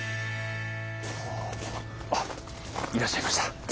あっいらっしゃいました。